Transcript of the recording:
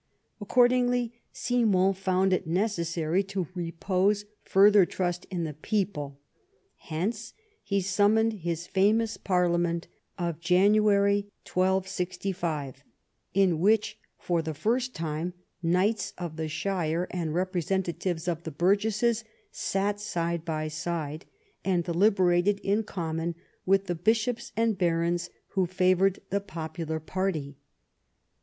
Accordingly Simon found it necessary to repose further trust in the people. Hence he summoned his famous Parliament of January 38 EDWARD I chap. 1265, in which for the first time knights of the shire and representatives of the burgesses sat side by side, and deliberated in common with the bishops and barons who favoured the popular party.